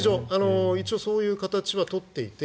一応そういう形は取っていて。